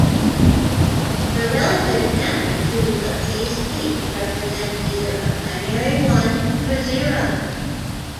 The relative amplitudes of these peaks represent either a binary one or zero.